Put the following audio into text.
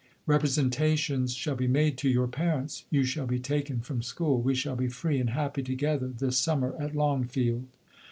Representations shall be made to your parents ; you shall be taken from school : we shall be free and happy together this summer at Longfleld.